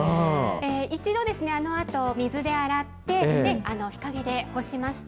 一度、あのあと水で洗って、日陰で干しました。